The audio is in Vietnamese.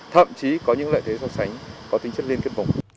thậm chí có những lợi thế so sánh có tính chất liên kết vùng